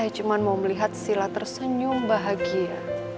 cuma mau melihat sila tersenyum bahagia